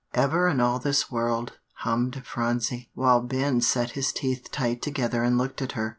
"Ever in all this world?" hummed Phronsie, while Ben set his teeth tight together and looked at her.